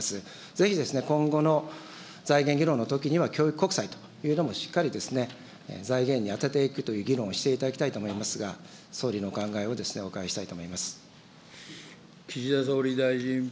ぜひですね、今後の財源議論のときには、教育国債というのもしっかり財源に充てていくという議論をしていただきたいと思いますが、総理のお考えをお伺いしたいと思います。